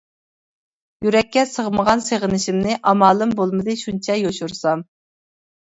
يۈرەككە سىغمىغان سېغىنىشىمنى، ئامالىم بولمىدى شۇنچە يوشۇرسام.